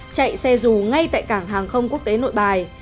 chạy xe dù ngay tại cảng hàng không quốc tế nội bài